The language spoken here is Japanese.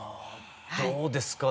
どうですか